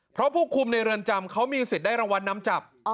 เพราะผู้คุมในเรือนจำเขามีสิทธิ์ได้รางวัลนำจับ